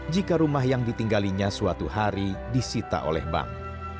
jika rumah yang ditinggalinya suatu hari disita oleh bank